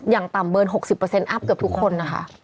อย่างต่ำเกิน๖๐อัพเกือบทุกคนนะคะ